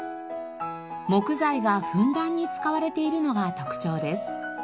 木材がふんだんに使われているのが特徴です。